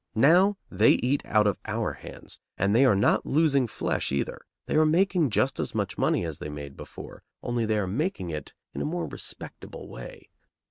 Now they eat out of our hands; and they are not losing flesh either. They are making just as much money as they made before, only they are making it in a more respectable way.